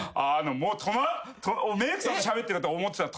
メークさんとしゃべってると思ってたら。